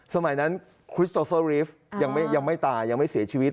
สมัยนั้นคริสโตเฟอร์รีฟยังไม่ตายยังไม่เสียชีวิต